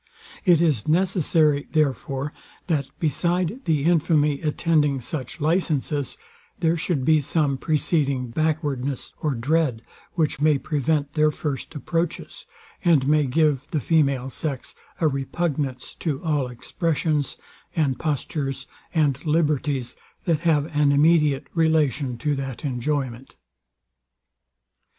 It is necessary, therefore, that, beside the infamy attending such licences, there should be some preceding backwardness or dread, which may prevent their first approaches, and may give the female sex a repugnance to all expressions, and postures, and liberties, that have an immediate relation to that enjoyment.